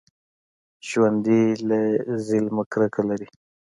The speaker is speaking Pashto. ژوندي له ظلمه کرکه لري